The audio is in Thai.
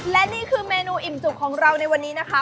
และนี่คือเมนูอิ่มจุกของเราในวันนี้นะคะ